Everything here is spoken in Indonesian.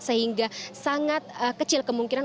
sehingga sangat kecil kemungkinan